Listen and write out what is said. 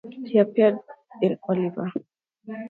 He appeared in Oliver!